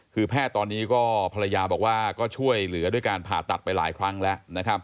คือแพทย์ตอนนี้ก็ภรรยาบอกว่าก็ช่วยเหลือด้วยการผ่าตัดไปหลายครั้งแล้วนะครับ